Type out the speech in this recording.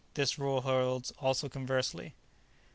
This rule holds also conversely.